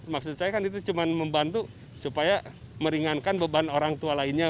maksud saya kan itu cuma membantu supaya meringankan beban orang tua lainnya